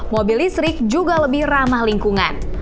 mobil listrik juga lebih ramah lingkungan